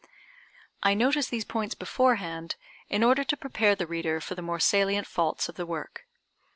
I notice these points beforehand in order to prepare the reader for the more salient faults of the work.